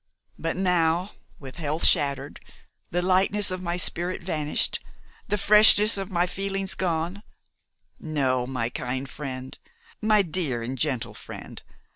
But now, with health shattered, the lightness of my spirit vanished, the freshness of my feelings gone, no, my kind friend, my dear and gentle friend!